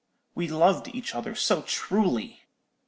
We loved each other so truly!